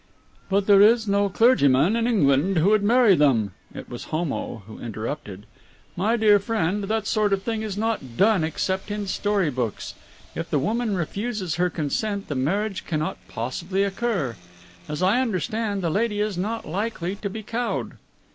"But there is no clergyman in England who would marry them" it was Homo who interrupted. "My dear friend, that sort of thing is not done except in story books. If the woman refuses her consent the marriage cannot possibly occur. As I understand, the lady is not likely to be cowed."